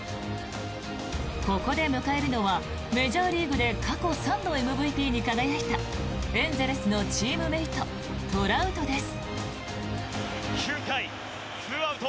ここで迎えるのはメジャーリーグで過去３度ＭＶＰに輝いたエンゼルスのチームメートトラウトです。